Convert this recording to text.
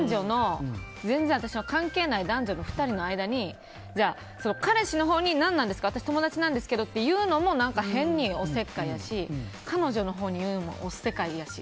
全然私の関係ない男女２人の間に彼氏のほうに何なんですか私友達なんですけどって言うのも変におせっかいやし彼女のほうに言うのもおっせかいやし。